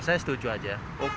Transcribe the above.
saya setuju aja